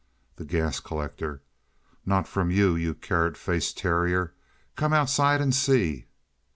The Gas Collector. "Not from you, you carrot faced terrier. Come outside and see."